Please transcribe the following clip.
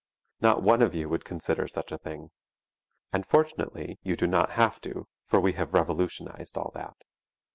Not one of you would consider such a thing. And fortunately you do not have to, for we have revolutionized all that.